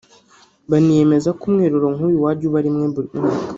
baniyemeza ko umwiherero nk’uyu wajya uba rimwe buri mwaka